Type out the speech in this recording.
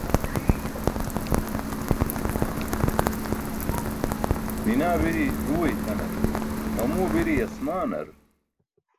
Minaa biri ẓuuwe itʰanar, mamuwe biri aasmaanar.